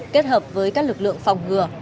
kết hợp với các lực lượng phòng ngừa